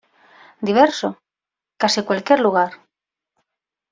Diverso, casi cualquier lugar.